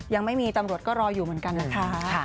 ยังไม่มีตำรวจก็รออยู่เหมือนกันนะคะ